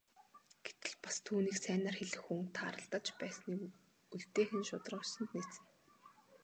Гэтэл бас түүнийг сайнаар хэлэх хүн тааралдаж байсныг үлдээх нь шударга ёсонд нийцнэ.